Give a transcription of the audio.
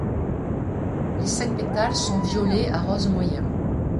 Les cinq pétales sont violet à rose moyen.